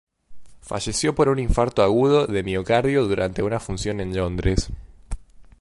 Falleció por un infarto agudo de miocardio durante una función en Londres.